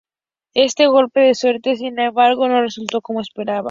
Este golpe de suerte, sin embargo, no resultó como esperaba.